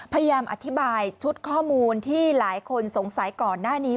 พยายามอธิบายชุดข้อมูลที่หลายคนสงสัยก่อนหน้านี้